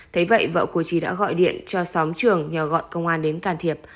thấy vậy vợ của trí đã gọi điện cho xóm trường nhờ gọi công an đến can thiệp